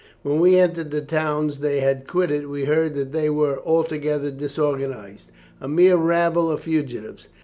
When we entered the towns they had quitted we heard that they were altogether disorganized a mere rabble of fugitives.